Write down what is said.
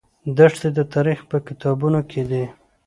دښتې د تاریخ په کتابونو کې دي.